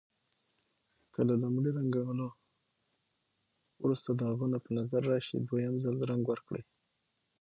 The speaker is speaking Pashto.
که له لومړي رنګولو وروسته داغونه په نظر راشي دویم ځل رنګ ورکړئ.